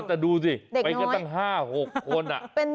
แต่ดูสิไปก็ตั้งห้าหกคน